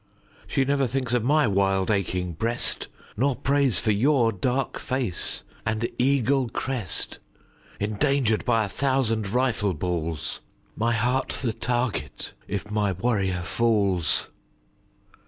She never thinks of my wild aching breast, Nor prays for your dark face and eagle crest Endangered by a thousand rifle balls, My heart the target if my warrior falls.